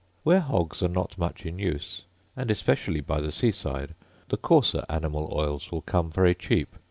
Where hogs are not much in use, and especially by the sea side, the coarser animal oils will come very cheap.